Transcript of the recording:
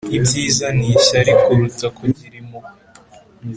ibyiza ni ishyari kuruta kugirira impuhwe